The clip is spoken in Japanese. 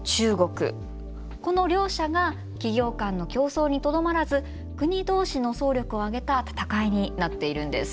この両者が企業間の競争にとどまらず国同士の総力を挙げた闘いになっているんです。